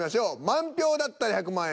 満票だったら１００万円！